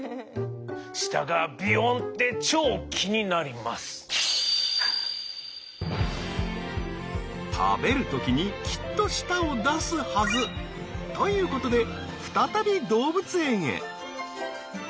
舌がびよんって超食べるときにきっと舌を出すはず。ということで再び動物園へ。